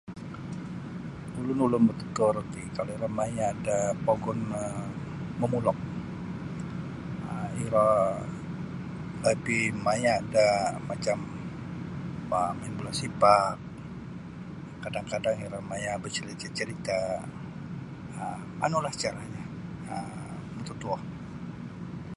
Ulun-ulun mututuo roti kalau iro maya da pogun um momulok um iro lebih maya main bula sipak kadang-kadang maya iro bacarita-carita manulah caranyo mututuo.